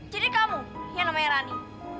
ciri kamu yang namanya rani